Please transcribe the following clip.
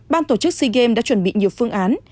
ban tổ chức sea games đã chuẩn bị nhiều phương án